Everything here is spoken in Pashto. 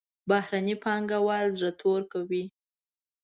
بهرني پانګوال زړه تور کوي.